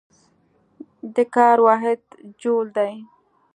د کار واحد جول دی.